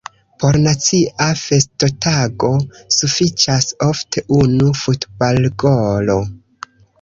Por nacia festotago sufiĉas ofte unu futbalgolo.